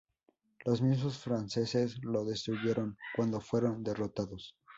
Los mismos franceses lo destruyeron cuando fueron derrotados.